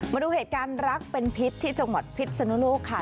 มาดูเหตุการณ์รักเป็นพิษที่จังหวัดพิษสนุโลกค่ะ